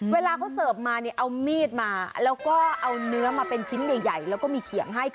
เวลาเค้าเสิร์ฟมาเอามีดมาเอาเนื้อมาเป็นชิ้นใหญ่แล้วก็มีเขียงให้